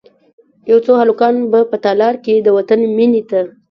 یو څو هلکان به په تالار کې، د وطن میینې ته،